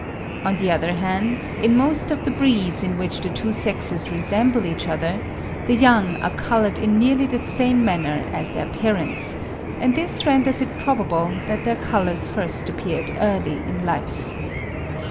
On the other hand, in most of the breeds in which the two sexes resemble each other, the young are coloured in nearly the same manner as their parents, and this renders it probable that their colours first appeared early in life.